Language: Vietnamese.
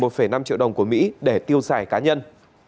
một năm triệu đồng của mỹ để tiêu xài cá nhân